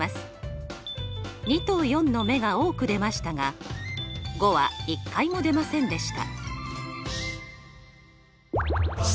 ２と４の目が多く出ましたが５は一回も出ませんでした。